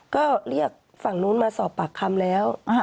ก็เรียกฝั่งนู้นมาสอบปากคำแล้ว